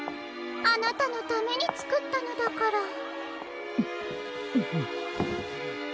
あなたのためにつくったのだから。